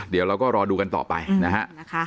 เดี๋ยวเราก็รอดูกันต่อไปนะฮะ